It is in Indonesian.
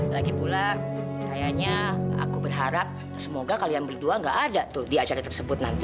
lagipula kayaknya aku berharap semoga kalian berdua nggak ada tuh di acara tersebut nanti